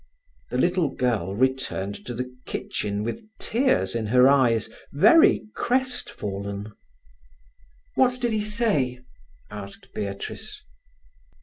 The little girl returned to the kitchen with tears in her eyes, very crestfallen. "What did he say?" asked Beatrice.